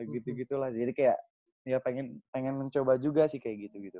gitu gitulah jadi kayak pengen mencoba juga sih kayak gitu